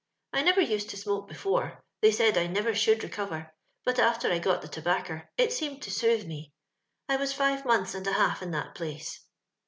I never used to smoke before ; ^ey said I never should recover, but after I got the tobaccer it seemed to soothe me. I was five months and a half in that place.